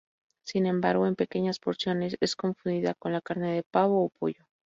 Sin embargo, en pequeñas porciones es confundida con la carne de pavo o pollo.